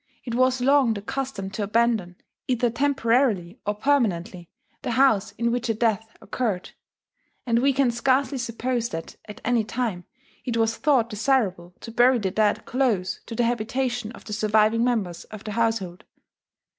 It was long the custom to abandon, either temporarily, or permanently, the house in which a death occurred; and we can scarcely suppose that, at any time, it was thought desirable to bury the dead close to the habitation of the surviving members of the household.